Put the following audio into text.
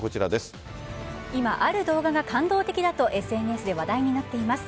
今、ある動画が感動的だとＳＮＳで話題になっています。